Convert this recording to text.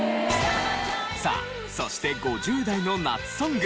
さあそして５０代の夏ソング。